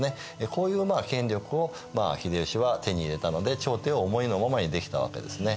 こういう権力を秀吉は手に入れたので朝廷を思いのままにできたわけですね。